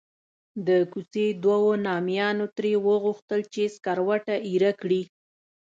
د کوڅې دوو نامیانو ترې وغوښتل چې سکروټه ایره کړي.